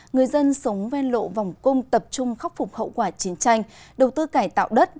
người dân sống ven lộ vòng cung tập trung khắc phục hậu quả chiến tranh đầu tư cải tạo đất